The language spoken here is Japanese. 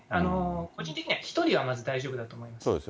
個人的には１人はまず大丈夫だと思います。